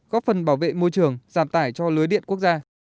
góp phần bảo vệ môi trường giảm tải cho lưới điện quốc gia